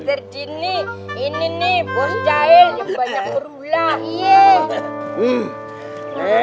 eh jini ini nih bos jahil banyak berubah